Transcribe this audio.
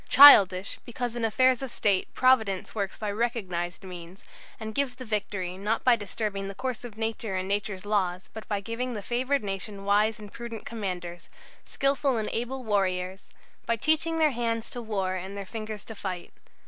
Childish, because in affairs of State Providence works by recognized means, and gives the victory, not by disturbing the course of nature and nature's laws, but by giving the favoured nation wise and prudent commanders, skilful and able warriors; by teaching their hands to war and their fingers to fight.